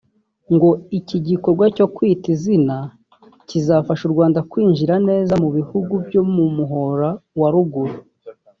ngo iki gikorwa cyo Kwita Izina kizafasha u Rwanda kwinjira neza mu bihugu byo mu Muhora wa Ruguru